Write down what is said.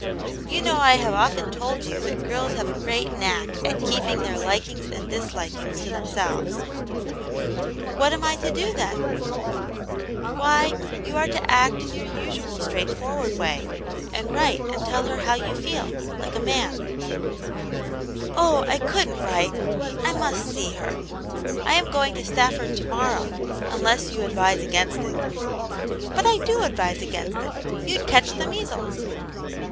You know I have often told you that girls have a great knack at keeping their likings and dislikings to themselves." " What am I to do, then ?"" Why, you are to act in your usual straightforward wa,y, and write and tell her how you feel, like a man. " Atint Jane's Hero. 87 " Oh, I couldn't write. I must see her. I am .going • to Stafford to morrow, unless you advise against it" "But I do advise against it. You*d catch the measles."